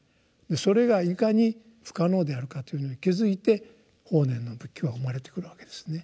それがいかに不可能であるかというのに気付いて法然の仏教は生まれてくるわけですね。